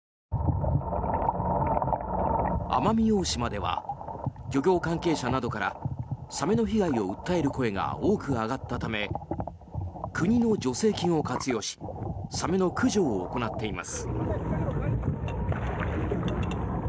奄美大島では漁業関係者などからサメの被害を訴える声が多く上がったため国の助成金を活用しサメの駆除を行っています。